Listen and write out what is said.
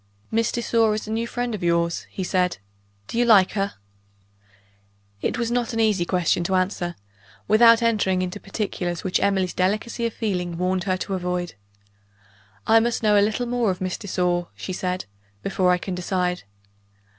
"Miss de Sor is a new friend of yours," he said. "Do you like her?" It was not an easy question to answer without entering into particulars which Emily's delicacy of feeling warned her to avoid. "I must know a little more of Miss de Sor," she said, "before I can decide."